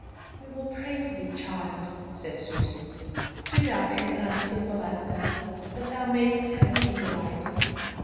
"We will pray for thee, child," said Susan. "Do thou pray earnestly for thyself that thou mayest ever see the right."